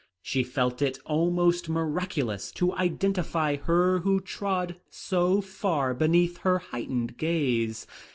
She felt it almost miraculous to identify her who trod so far beneath her heightened gaze.